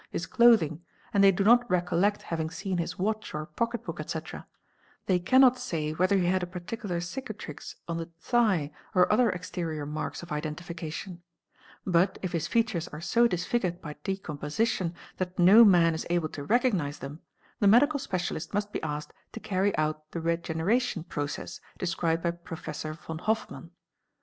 his clothing, and they do not recollect having seen his watch or pocket book, etc., they cannot — say whether he had a particular cicatrix on the thigh, or other exterior marks of identification. But if his features are so disfigured by de —: composition that no man is able to recognise them, the medical specialist — 'regeneration process'' described by ' must be asked to carry out the Professor von Hofmann.